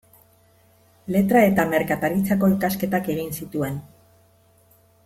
Letra eta Merkataritzako ikasketak egin zituen.